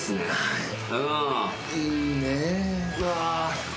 いいね。